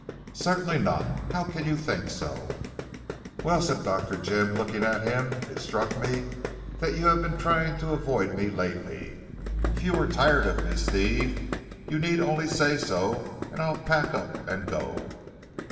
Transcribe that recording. "Certainly not. How can you think so?" "Well," said Dr. Jim looking at him, "it struck me that you have been trying to avoid me lately. If you are tired of me Steve, you need only say so, and I'll pack up and go."